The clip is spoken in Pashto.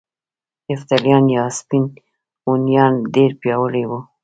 یفتلیان یا سپین هونیان ډیر پیاوړي وو